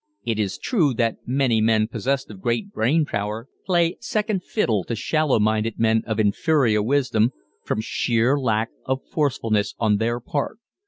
It is true that many men possessed of great brain power play "second fiddle" to shallow minded men of inferior wisdom from sheer lack of forcefulness on their own part.